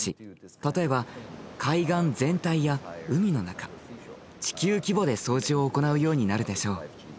例えば海岸全体や海の中地球規模で掃除を行うようになるでしょう。